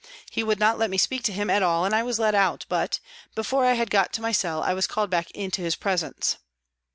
He would not let me speak to him at all and I was led out, but, before I had got to my cell, I was called back into his presence.